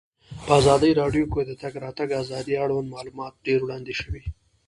په ازادي راډیو کې د د تګ راتګ ازادي اړوند معلومات ډېر وړاندې شوي.